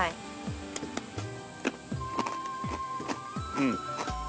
うん。